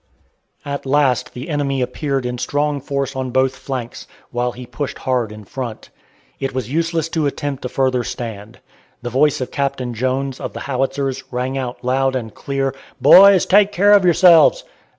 At last the enemy appeared in strong force on both flanks, while he pushed hard in front. It was useless to attempt a further stand. The voice of Captain Jones, of the Howitzers, rang out loud and clear, "Boys, take care of yourselves!"